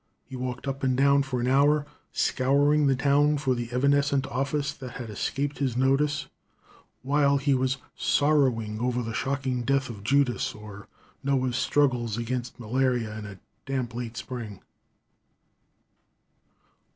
He walked up and down for an hour, scouring the town for the evanescent office that had escaped his notice while he was sorrowing over the shocking death of Judas, or Noah's struggles against malaria and a damp, late spring.